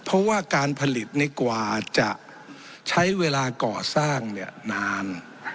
เพราะว่าการผลิตในกว่าจะใช้เวลาก่อสร้างเนี่ยนาน